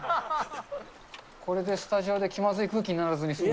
これで、スタジオで気まずい空気にならずに済む。